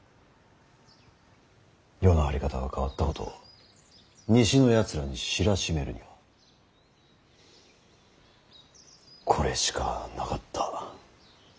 世の在り方が変わったことを西のやつらに知らしめるにはこれしかなかった。